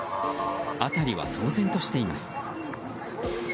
辺りは騒然としています。